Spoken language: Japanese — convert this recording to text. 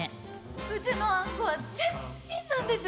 うちのあんこは絶品なんです！